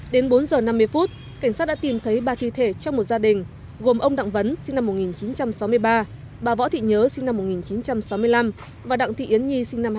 đến bốn giờ năm mươi phút cảnh sát đã tìm thấy ba thi thể trong một gia đình gồm ông đặng vấn sinh năm một nghìn chín trăm sáu mươi ba bà võ thị nhớ sinh năm một nghìn chín trăm sáu mươi năm và đặng thị yến nhi sinh năm hai nghìn một mươi